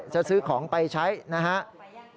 จะซื้อของไปใช้นะครับ